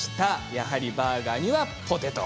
やはりバーガーにはポテト。